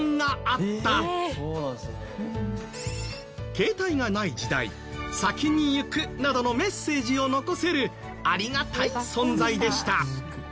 携帯がない時代「先に行く」などのメッセージを残せるありがたい存在でした。